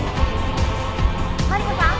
「マリコさん？